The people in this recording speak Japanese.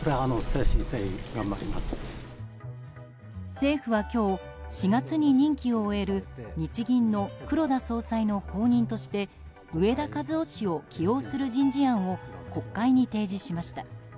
政府は今日４月に任期を終える日銀の黒田総裁の後任として植田和男氏を起用する人事案を国会に提示しました。